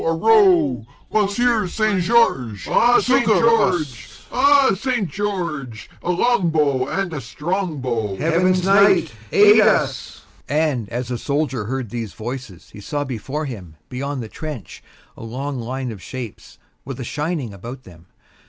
Harow! Monseigneur St. George, succor us!" "Ha! St. George! Ha! St. George! a long bow and a strong bow." "Heaven's Knight, aid us!" And as the soldier heard these voices he saw before him, beyond the trench, a long line of shapes, with a shining about them.